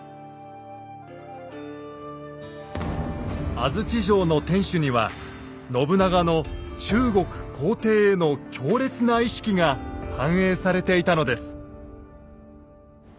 安土城の天主には信長の中国皇帝への強烈な意識が反映されていたのです。